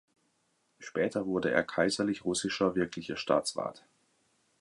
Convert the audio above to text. Später wurde er kaiserlich russischer Wirklicher Staatsrat.